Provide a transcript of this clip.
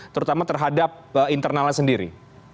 terutama terhadap internalnya sendiri